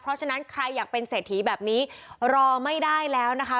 เพราะฉะนั้นใครอยากเป็นเศรษฐีแบบนี้รอไม่ได้แล้วนะคะ